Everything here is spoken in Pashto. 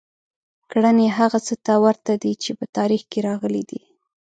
کړنې هغه څه ته ورته دي چې په تاریخ کې راغلي دي.